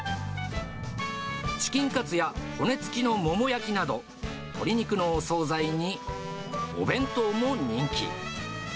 チキンカツや骨付きのもも焼きなど、鶏肉のお総菜に、お弁当も人気。